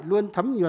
luôn thấm nhiều